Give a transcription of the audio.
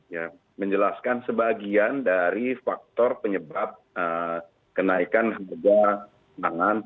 ya menjelaskan sebagian dari faktor penyebab kenaikan harga pangan